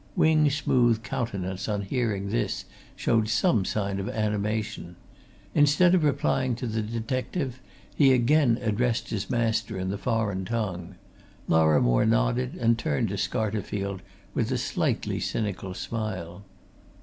Wing's smooth countenance, on hearing this, showed some sign of animation. Instead of replying to the detective, he again addressed his master in the foreign tongue. Lorrimore nodded and turned to Scarterfield with a slightly cynical smile.